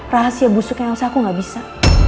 rahasia busuknya elsa aku gak bisa